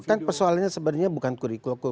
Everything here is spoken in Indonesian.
ya kan persoalannya sebenarnya bukan kurikulum